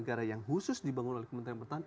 negara yang khusus dibangun oleh kementerian pertahanan